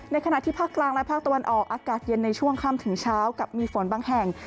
ขณะที่ภาคกลางและภาคตะวันออกอากาศเย็นในช่วงค่ำถึงเช้ากับมีฝนบางแห่ง